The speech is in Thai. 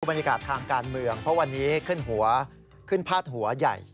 บรรยากาศทางการเมืองเพราะวันนี้ขึ้นหัวขึ้นพาดหัวใหญ่